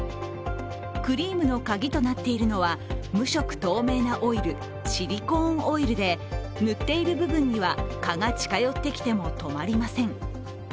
クリームのカギとなっているのは無色透明なオイル、シリコーンオイルで、塗っている部分には蚊が近寄ってきても止まりません。